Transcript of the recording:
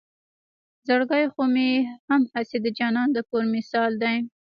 زړګے خو مې هم هسې د جانان د کور مثال دے